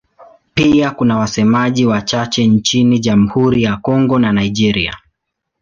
Pia kuna wasemaji wachache nchini Jamhuri ya Kongo na Nigeria.